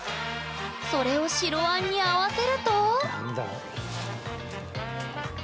それを白あんに合わせると何だ？